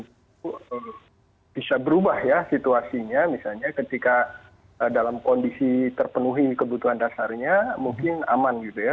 jadi di rumah tentu bisa berubah ya situasinya misalnya ketika dalam kondisi terpenuhi kebutuhan dasarnya mungkin aman gitu ya